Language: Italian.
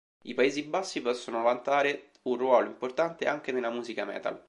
I Paesi Bassi possono vantare un ruolo importante anche nella musica metal.